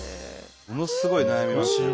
ものすごい悩みますよね。